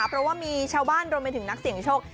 เพราะว่ามีชาวบ้านรวมไปถึงนักเสี่ยงโชค